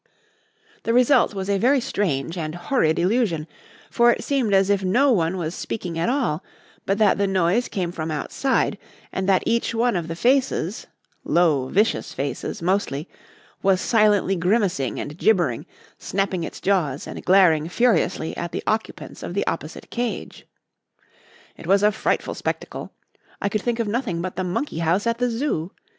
The result was a very strange and horrid illusion, for it seemed as if no one was speaking at all, but that the noise came from outside, and that each one of the faces low, vicious faces, mostly was silently grimacing and gibbering, snapping its jaws and glaring furiously at the occupants of the opposite cage. It was a frightful spectacle. I could think of nothing but the monkey house at the Zoo.